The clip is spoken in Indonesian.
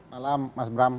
malam mas bram